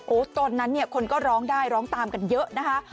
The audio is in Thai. ตอนนั้นเนี่ยคนก็ร้องได้ร้องตามกันเยอะนะคะ